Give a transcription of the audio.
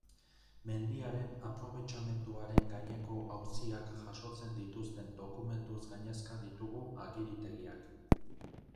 Mendiaren aprobetxamenduaren gaineko auziak jasotzen dituzten dokumentuz gainezka ditugu agiritegiak.